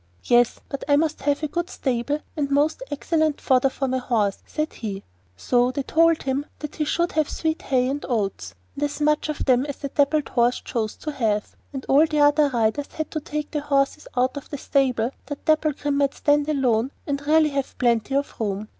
'Yes; but I must have a good stable and most excellent fodder for my horse,' said he. So they told him that he should have sweet hay and oats, and as much of them as the dappled horse chose to have, and all the other riders had to take their horses out of the stable that Dapplegrim might stand alone and really have plenty of room.